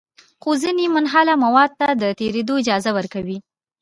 خو ځینې منحله موادو ته د تېرېدو اجازه ورکوي.